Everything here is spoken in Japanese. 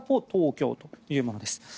東京というものです。